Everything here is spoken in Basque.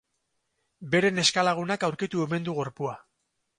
Bere neska-lagunak aurkitu omen du gorpua.